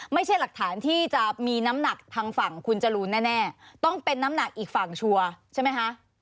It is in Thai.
ไม่ใช่หลักฐานที่จะมีน้ำหนักทางฝั่งคุณจรูนแน่ต้องเป็นน้ำหนักอีกฝั่งชัวร์ใช่ไหมคะ